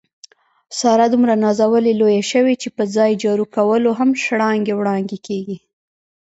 ساره دومره نازولې لویه شوې، چې په ځای جارو کولو هم شړانګې وړانګې کېږي.